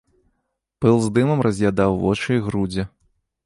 Пыл з дымам раз'ядаў вочы і грудзі.